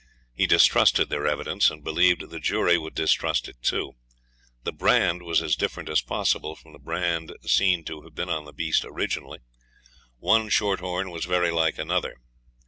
He distrusted their evidence and believed the jury would distrust it too. The brand was as different as possible from the brand seen to have been on the beast originally. One short horn was very like another.